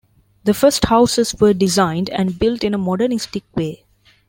The first houses were designed and built in a modernistic way.